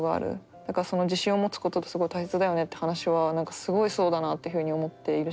だから自信を持つことってすごい大切だよねって話はすごいそうだなっていうふうに思っているし。